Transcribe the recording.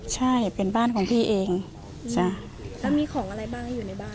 ใช่เป็นบ้านของพี่เองใช่แล้วมีของอะไรบ้างให้อยู่ในบ้าน